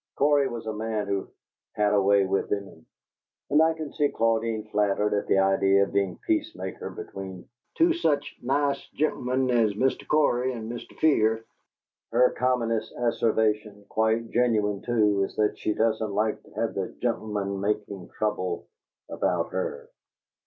Cory was a man who 'had a way with him,' and I can see Claudine flattered at the idea of being peace maker between 'two such nice gen'lemen as Mr. Cory and Mr. Fear.' Her commonest asseveration quite genuine, too is that she doesn't like to have the gen'lemen making trouble about her!